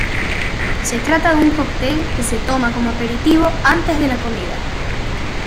Se trata de un cóctel que se toma como aperitivo antes de la comida.